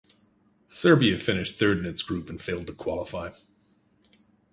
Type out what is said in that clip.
Serbia finished third in its group and failed to qualify.